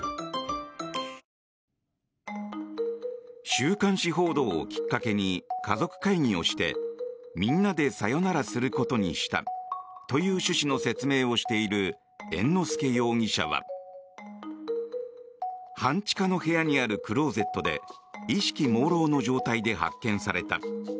週刊誌報道をきっかけに家族会議をしてみんなでさよならすることにしたという趣旨の説明をしている猿之助容疑者は半地下の部屋にあるクローゼットで意識もうろうの状態で発見された。